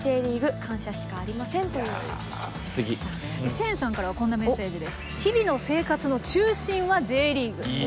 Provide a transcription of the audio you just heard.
しぇーんさんからはこんなメッセージです。